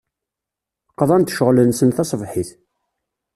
Qḍan-d ccɣel-nsen taṣebḥit.